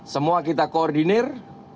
semua kita koordinir